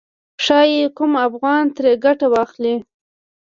ښايي کوم افغان ترې ګټه واخلي.